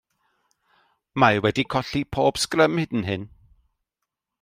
Mae wedi colli pob sgrym hyd yn hyn.